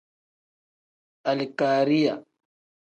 Alikariya.